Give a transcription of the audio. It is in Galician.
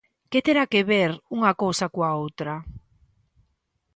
¿Que terá que ver unha cousa coa outra?